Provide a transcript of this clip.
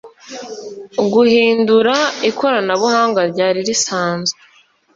guhindura ikoranabuhanga ryari risanzwe